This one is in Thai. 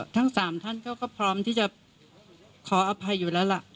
ทั้งสามท่านก็พร้อมที่จะขออภัยอยู่แล้วล่ะ